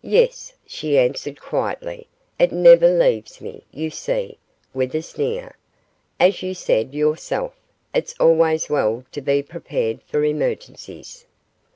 'Yes,' she answered quietly; 'it never leaves me, you see,' with a sneer. 'As you said yourself, it's always well to be prepared for emergencies.